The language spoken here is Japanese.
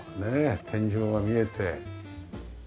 天井が見えて。